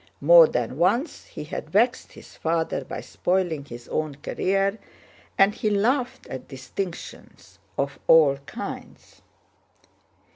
More than once he had vexed his father by spoiling his own career, and he laughed at distinctions of all kinds.